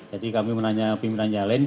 jadi kami menanya pimpinan yang lain